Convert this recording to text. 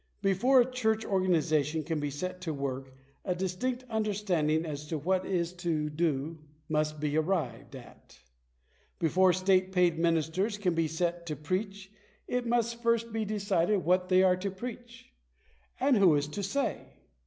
Before a church organization can be set to work, a distinct understanding as to what it is to do must be arrived at. Before state paid ministers can be set to preach, it must first be decided what they are to preach. And who is to say